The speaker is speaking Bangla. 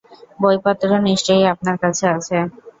বইপত্র নিশ্চয়ই আপনাদের কাছে আছে।